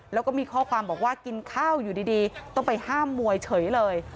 แล้วก็มีข้อความบอกว่ากินข้าวอยู่ดีต้องไปห้ามมวยเฉยเลย